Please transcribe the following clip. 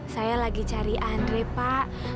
saya lagi cari andre pak